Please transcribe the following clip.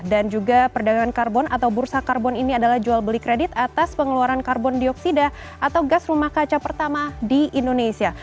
dan juga perdagangan karbon atau bursa karbon ini adalah jual beli kredit atas pengeluaran karbon dioksida atau gas rumah kaca pertama di indonesia